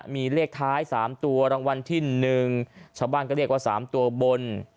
มีเลขท้าย๓ตัวรางวัลที่๑ชาวบ้านก็เรียกว่า๓ตัวบน